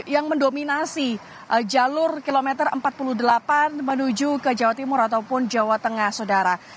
yang mendominasi jalur kilometer empat puluh delapan menuju ke jawa timur ataupun jawa tengah sodara